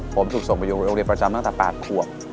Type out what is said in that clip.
ผมถูกส่งไปโรงเรียนประจำตั้งแต่๘ขวบ